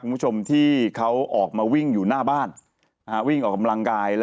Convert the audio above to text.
คุณผู้ชมที่เขาออกมาวิ่งอยู่หน้าบ้านวิ่งออกกำลังกาย